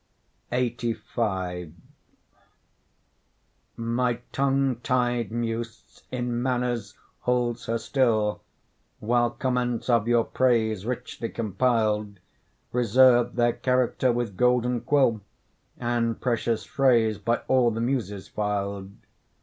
LXXXV My tongue tied Muse in manners holds her still, While comments of your praise richly compil'd, Reserve their character with golden quill, And precious phrase by all the Muses fil'd.